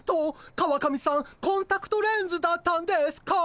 川上さんコンタクトレンズだったんですか？